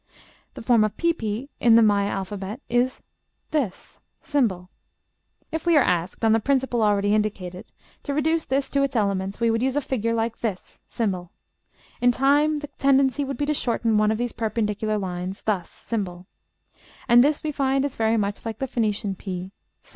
The form of pp in the Maya alphabet is this, ###. If we are asked, on the principle already indicated, to reduce this to its elements, we would use a figure like this, ###; in time the tendency would be to shorten one of these perpendicular lines, thus, and this we find is very much like the Phoenician p, ###.